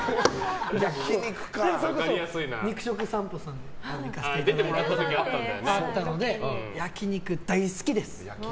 それこそ肉食さんぽさんも行かせていただいたこともあったので焼き肉、大好きです！